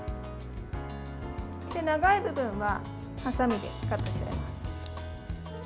長い部分ははさみでカットします。